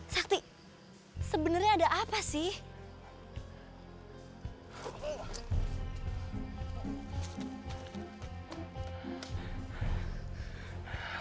sakti sebenarnya ada apa sih